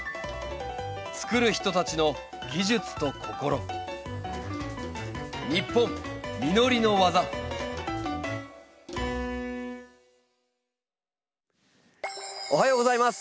つくる人たちの技術と心おはようございます。